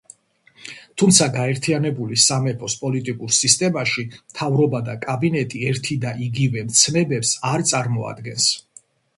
თუმცა, გაერთიანებული სამეფოს პოლიტიკურ სისტემაში, მთავრობა და კაბინეტი ერთი და იგივე მცნებებს არ წარმოადგენს.